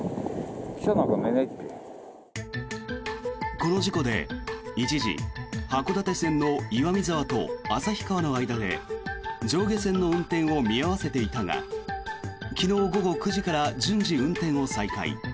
この事故で、一時函館線の岩見沢と旭川の間で上下線の運転を見合わせていたが昨日午後９時から順次、運転を再開。